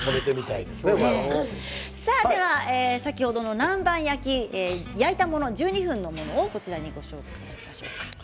では先ほどの南蛮焼き焼いたもの１２分のものをこちらにご用意しました。